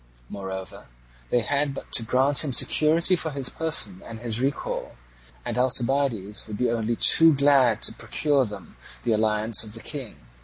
Moreover, they had but to grant him security for his person and his recall, and Alcibiades would be only too glad to procure them the alliance of the King.